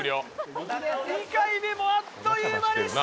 ２回目もあっという間でした。